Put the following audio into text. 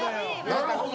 なるほど！